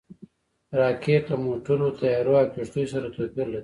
راکټ له موټرو، طیارو او کښتیو سره توپیر لري